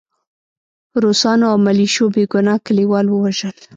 روسانو او ملیشو بې ګناه کلیوال ووژل